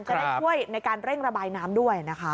จะได้ช่วยในการเร่งระบายน้ำด้วยนะคะ